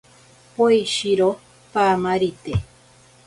Poeshiro paamarite.